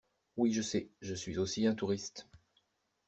Oui je sais, je suis aussi un touriste.